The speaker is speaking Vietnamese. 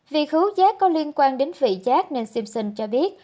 vì khứu chát có liên quan đến vị chát nên simpson cho biết